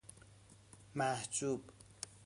محجوب